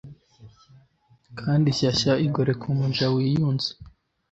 Kandi shyashya igoreka umuja wiyunze